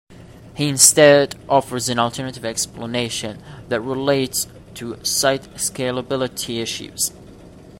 He instead offers an alternate explanation that relates to site scalability issues.